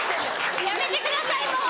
やめてくださいもう！